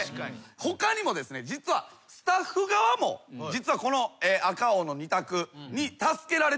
他にも実はスタッフ側も実はこの赤青の二択に助けられてるんです。